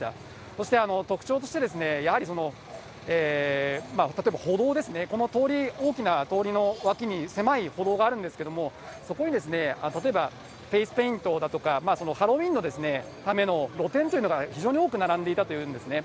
そして特徴として、やはり例えば歩道ですね、この通り、大きな通りの脇に、狭い歩道があるんですけれども、そこに例えばフェイスペイントだとか、ハロウィーンのための露店というのが非常に多く並んでいたというんですね。